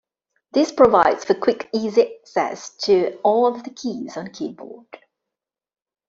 This provides for quick, easy access to all of the keys on the keyboard.